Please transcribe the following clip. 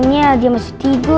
rupanya dia masih tidur